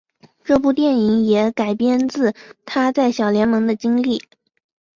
这部电影也改编自他在小联盟的经历。